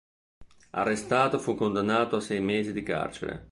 Arrestato, fu condannato a sei mesi di carcere.